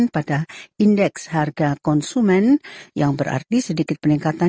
pada indeks harga konsumen yang berarti sedikit peningkatan